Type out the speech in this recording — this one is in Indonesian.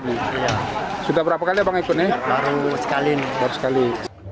nih sudah berapa kali pengekutnya baru sekali sekali